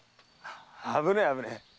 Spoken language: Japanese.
〔危ねえ危ねえ！